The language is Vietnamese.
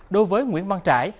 đối với nguyễn văn trải